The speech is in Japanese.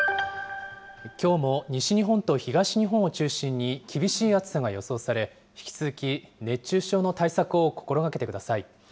きょうも西日本と東日本を中心に、厳しい暑さが予想され、引き続き、熱中症の対策を心がけてください。